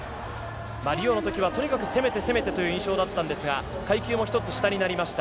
リオの時はとにかく攻めてという印象だったんですが、階級も１つ下になりました。